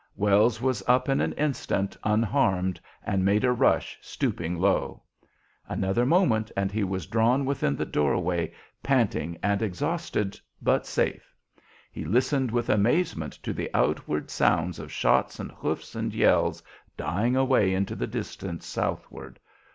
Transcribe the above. Wells was up in an instant, unharmed, and made a rush, stooping low. Another moment, and he was drawn within the door way, panting and exhausted, but safe. He listened with amazement to the outward sounds of shots and hoofs and yells dying away into the distance southward.